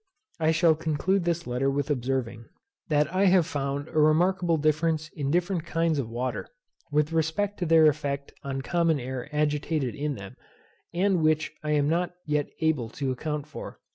I shall conclude this letter with observing, that I have found a remarkable difference in different kinds of water, with respect to their effect on common air agitated in them, and which I am not yet able to account for.